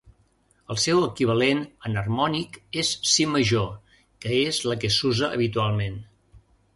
El seu equivalent enharmònic és si major, que és la que s'usa habitualment.